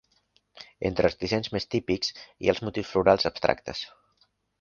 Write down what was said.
Entre els dissenys més típics hi ha els motius florals abstractes.